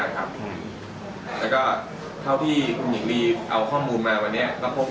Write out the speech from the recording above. แล้วก็เท่าที่คุณหญิงลีเอาข้อมูลมาวันนี้ก็พบ